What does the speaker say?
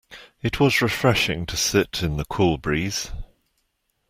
It was refreshing to sit in the cool breeze.